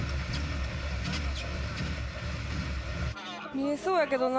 見えそうやけどな。